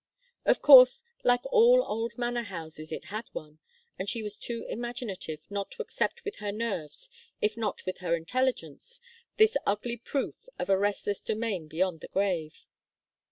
Of course, like all old manor houses, it had one, and she was too imaginative not to accept with her nerves if not with her intelligence this ugly proof of a restless domain beyond the grave.